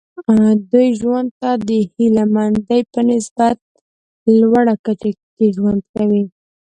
دوی ژوند ته د هیله مندۍ په نسبتا لوړه کچه کې ژوند کوي.